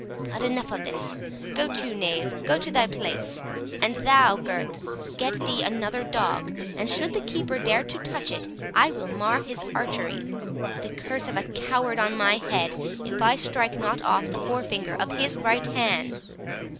But enough of this. Go to, knave, go to thy place—and thou, Gurth, get thee another dog, and should the keeper dare to touch it, I will mar his archery; the curse of a coward on my head, if I strike not off the forefinger of his right hand!